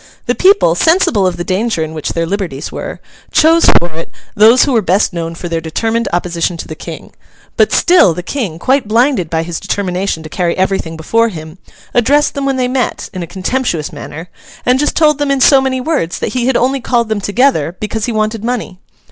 The people, sensible of the danger in which their liberties were, chose for it those who were best known for their determined opposition to the King; but still the King, quite blinded by his determination to carry everything before him, addressed them when they met, in a contemptuous manner, and just told them in so many words that he had only called them together because he wanted money.